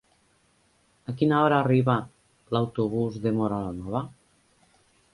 A quina hora arriba l'autobús de Móra la Nova?